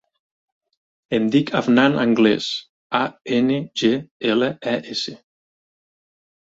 Em dic Afnan Angles: a, ena, ge, ela, e, essa.